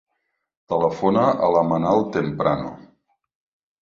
Telefona a la Manal Temprano.